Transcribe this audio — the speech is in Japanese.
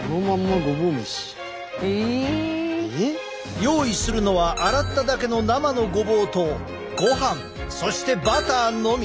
ええ？用意するのは洗っただけの生のごぼうとごはんそしてバターのみ。